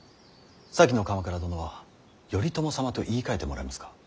先の鎌倉殿は頼朝様と言いかえてもらえますか。